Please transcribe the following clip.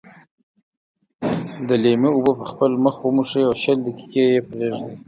د لیمو اوبه په خپل مخ وموښئ او شل دقيقې یې پرېږدئ.